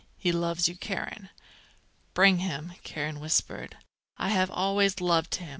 He loves you, Karen." "Bring him," Karen whispered. "I have always loved him.